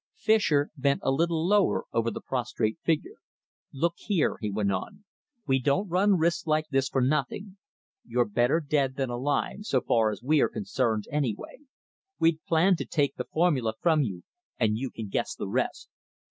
Fischer bent a little lower over the prostrate figure, "Look here," he went on, "we don't run risks like this for nothing. You're better dead than alive, so far as we are concerned, anyway. We'd planned to take the formula from you, and you can guess the rest.